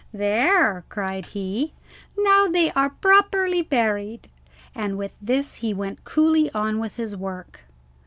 "There!" cried he; "now they are properly buried." And with this he went coolly on with his work.